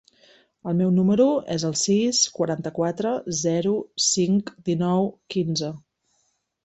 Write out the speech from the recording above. El meu número es el sis, quaranta-quatre, zero, cinc, dinou, quinze.